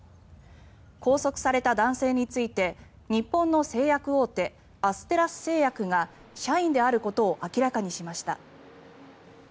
拘束された男性について日本の製薬大手アステラス製薬が社員であることを明らかにしました。